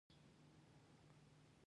د کاشان او قم غالۍ هم مشهورې دي.